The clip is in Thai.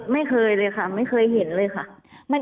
ไม่เคยเลยค่ะไม่เคยเห็นเลยค่ะ